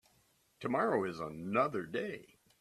Tomorrow is another day.